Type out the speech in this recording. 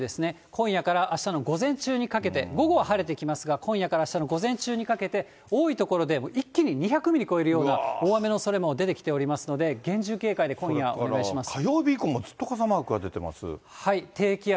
今夜からあしたの午前中にかけて、午後は晴れてきますが、今夜からあしたの午前中にかけて、多い所で一気に２００ミリ超えるような大雨のおそれも出てきておりますので、厳重警戒で今夜お願いします。